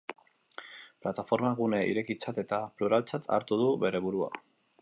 Plataformak gune irekitzat eta pluraltzat hartu du bere burua.